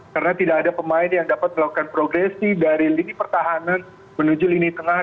karena tidak ada pemain yang dapat melakukan progresi dari lini pertahanan menuju lini tengah